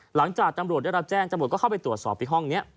หลังจากตำรวจได้รับแจ้งจำรวจก็เข้าไปตรวจสอบที่ห้องนี้